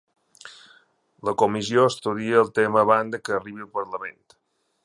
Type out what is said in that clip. La Comissió estudia el tema abans que arribi al parlament.